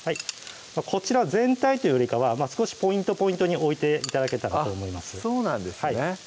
こちらは全体というよりかは少しポイント・ポイントに置いて頂けたらと思いますそうなんですね